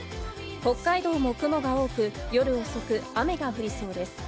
北海道も雲が多く、夜遅く雨が降りそうです。